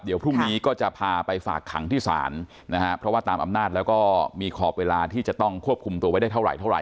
เดี๋ยวพรุ่งนี้ก็จะพาไปฝากขังที่ศาลนะฮะเพราะว่าตามอำนาจแล้วก็มีขอบเวลาที่จะต้องควบคุมตัวไว้ได้เท่าไหรเท่าไ